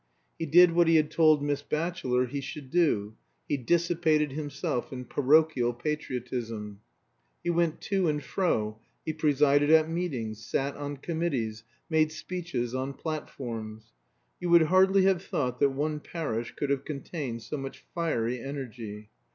He did what he had told Miss Batchelor he should do; he dissipated himself in parochial patriotism. He went to and fro, he presided at meetings, sat on committees, made speeches on platforms. You would hardly have thought that one parish could have contained so much fiery energy.